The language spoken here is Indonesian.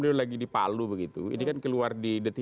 dia lagi di palu begitu ini kan keluar dari